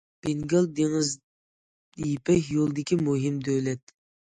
بېنگال دېڭىز يىپەك يولىدىكى مۇھىم دۆلەت.